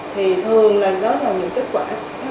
thì thường là những kết quả mà họ quan trọng từ khá lâu